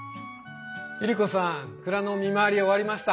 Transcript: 百合子さん蔵の見回り終わりました。